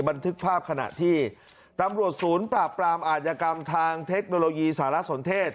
บันทึกภาพขณะที่ตำรวจศูนย์ปราบปรามอาธิกรรมทางเทคโนโลยีสารสนเทศ